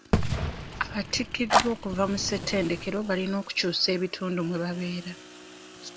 Abattikiddwa okuva mu ssetendekero balina okukyusa ebitundu mwe babeera.